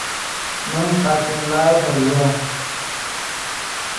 من قاچین ڑائے فریو